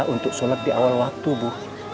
untuk sholat di awal waktu bu